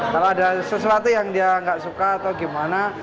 kalau ada sesuatu yang dia nggak suka atau gimana